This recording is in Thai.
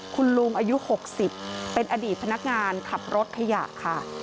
คุณลุงอายุ๖๐เป็นอดีตพนักงานขับรถขยะค่ะ